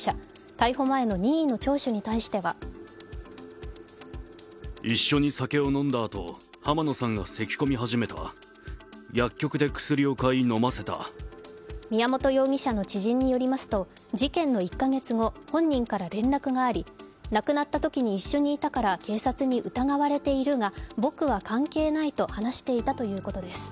逮捕前の任意の聴取に対しては宮本容疑者の知人によりますと、事件の１か月後、本人から連絡があり亡くなったときに一緒にいたから警察に疑われているが、僕は関係ないと話していたということです。